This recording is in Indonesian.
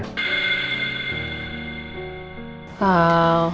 ya saya yang nyalain mama dulu